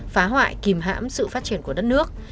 phá hoại kìm hãm sự phát triển của đất nước